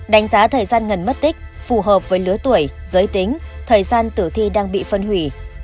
đánh giá thời gian ngần mất tích phù hợp với lứa tuổi giới tính thời gian tử thi đang bị phân hủy